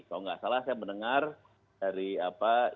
kalau tidak salah saya mendengar dari informasi